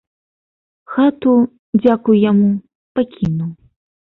Хату, дзякуй яму, пакінуў.